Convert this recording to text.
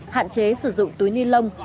hạn chế sử dụng túi ni lông